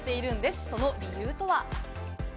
その理由は？